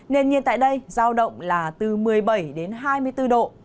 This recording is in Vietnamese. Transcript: nền nhiệt tại đây giao động là từ một mươi bảy đến hai mươi bốn độ